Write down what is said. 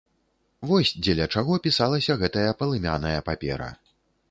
Вось дзеля чаго пісалася гэтая палымяная папера.